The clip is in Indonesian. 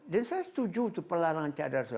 dan saya setuju itu perlahan lahan cadar